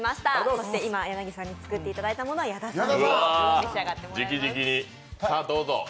そして今、柳さんが作っていただいたものは矢田さんに召し上がっていただきます。